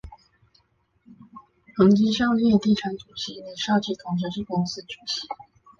恒基兆业地产主席李兆基同时是公司主席。